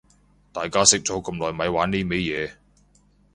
大家識咗咁耐咪玩呢味嘢